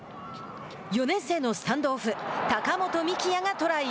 ４年生のスタンドオフ高本幹也がトライ。